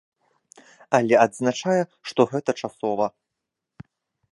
Але адзначае, што гэта часова.